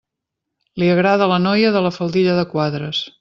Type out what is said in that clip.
Li agrada la noia de la faldilla de quadres.